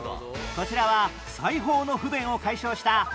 こちらは裁縫の不便を解消したワンタッチ針